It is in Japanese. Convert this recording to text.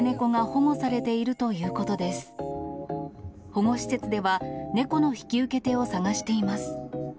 保護施設では、猫の引き受け手を探しています。